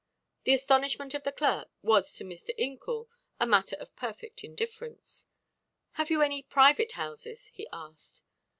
The astonishment of the clerk was to Mr. Incoul a matter of perfect indifference. "Have you any private houses?" he asked.